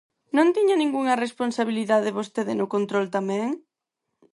¿Non tiña ningunha responsabilidade vostede no control tamén?